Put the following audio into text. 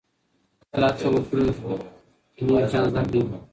تل هڅه وکړئ چي نوي شیان زده کړئ.